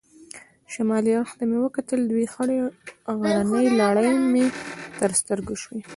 شمالي اړخ ته مې وکتل، دوې خړې غرنۍ لړۍ مې تر سترګو شوې.